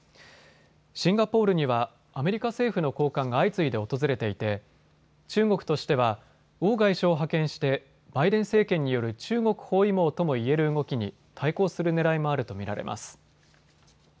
シンガポールにはアメリカ政府の高官が相次いで訪れていて中国としては王外相を派遣してバイデン政権による中国包囲網ともいえる動きに対抗するねらいもあると見られます。